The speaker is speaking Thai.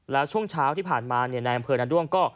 แล้วช่วงเช้าที่ผ่านมาในอำเภอนาด้วงก็